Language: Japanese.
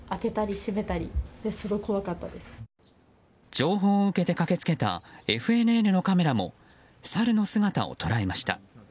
情報を受けて駆け付けたＦＮＮのカメラもサルの姿を捉えました。